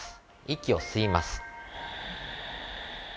息を吸います。